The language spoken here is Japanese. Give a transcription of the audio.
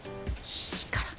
いいから。